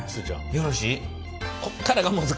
よろしい？